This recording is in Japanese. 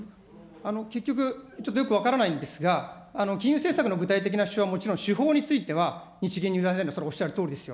結局、ちょっとよく分からないんですが、金融政策の具体的な手法については、日銀に委ねるのは、おっしゃるとおりですよ。